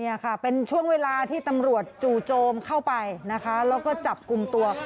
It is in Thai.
นี่ค่ะเป็นช่วงเวลาที่ตำรวจจู่โจมเข้าไปนะคะแล้วก็จับกลุ่มตัว